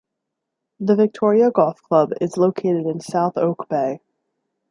The Victoria Golf Club is located in South Oak Bay.